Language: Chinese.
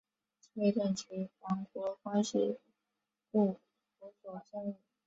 内政及王国关系部辅佐政务。